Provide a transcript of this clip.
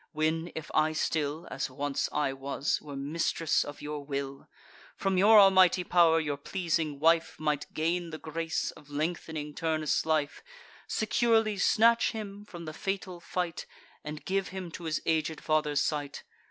when, if I still (As once I was) were mistress of your will, From your almighty pow'r your pleasing wife Might gain the grace of length'ning Turnus' life, Securely snatch him from the fatal fight, And give him to his aged father's sight.